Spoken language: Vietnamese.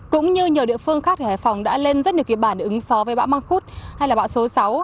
cũng như nhiều địa phương khác thì hải phòng đã lên rất nhiều kịch bản để ứng phó với bão măng khuất hay là bão số sáu